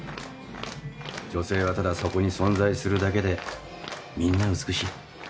女性はただそこに存在するだけでみんな美しい。